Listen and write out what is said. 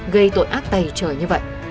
gây tội ác tầy trời như vậy